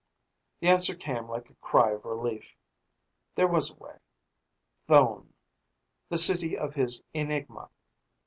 The answer came like a cry of relief. There was a way Thone! The city of his enigma.